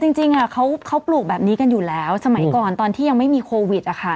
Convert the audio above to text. จริงเขาปลูกแบบนี้กันอยู่แล้วสมัยก่อนตอนที่ยังไม่มีโควิดอะค่ะ